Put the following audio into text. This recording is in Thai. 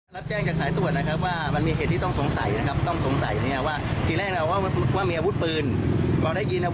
หลังจากนั้นแล้วรถก็ลงลงนะคะ